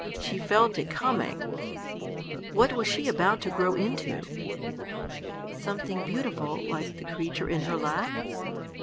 She felt it coming! What was she about to grow into? Something beautiful, like the creature in her lap?